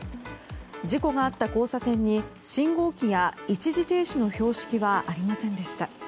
事故があった交差点に信号機や一時停止の標識はありませんでした。